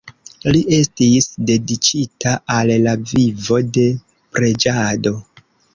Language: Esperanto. Li estis dediĉita al la vivo de preĝado.